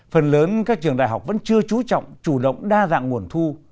phần lớn các trường đại học vẫn chưa trú trọng chủ động đa dạng nguồn thu